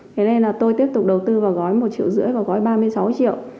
thế nên là tôi tiếp tục đầu tư vào gói một triệu rưỡi và gói ba mươi sáu triệu